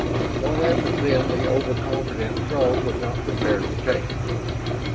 What happened then the overconfident Throg was not prepared to take.